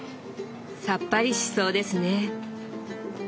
さっぱりしそうですね。